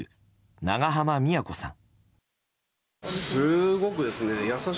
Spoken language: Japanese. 長濱美也子さん。